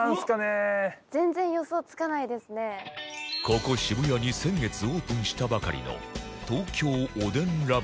ここ渋谷に先月オープンしたばかりの